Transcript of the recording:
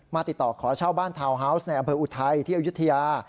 ติดต่อขอเช่าบ้านทาวน์ฮาวส์ในอำเภออุทัยที่อายุทยา